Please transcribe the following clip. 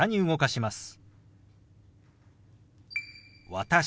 「私」。